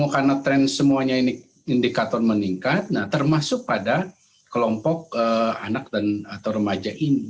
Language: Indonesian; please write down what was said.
karena trend semuanya ini indikator meningkat termasuk pada kelompok anak atau remaja ini